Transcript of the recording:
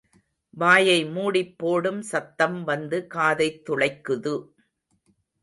வாயை மூடிப் போடும் சத்தம் வந்து காதைத் துளைக்குது.